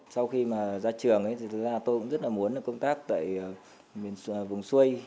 sau khi mà ra trường thì thực ra tôi cũng rất là muốn được công tác tại vùng xuây